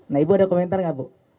nah ibu ada komentar nggak bu